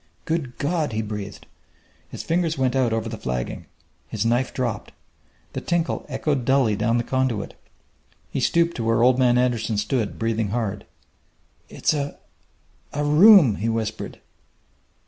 "Good God!" he breathed. His fingers went out over the flagging. His knife dropped. The tinkle echoed dully down the conduit. He stooped to where Old Man Anderson stood, breathing hard. "It's a a room!" he whispered.